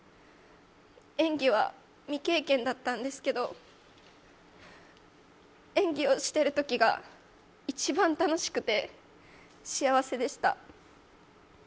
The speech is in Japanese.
演技は未経験だったんですけど、演技をしているときが一番楽しくて幸せでした。